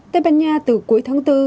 tây ban nha từ cuối tháng bốn